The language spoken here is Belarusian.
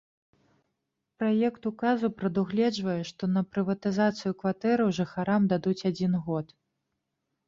Праект указу прадугледжвае, што на прыватызацыю кватэраў жыхарам дадуць адзін год.